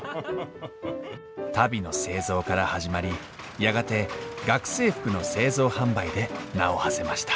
足袋の製造から始まりやがて学生服の製造販売で名をはせました。